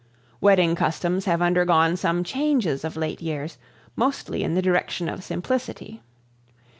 Wedding customs have undergone some changes of late years, mostly in the direction of simplicity.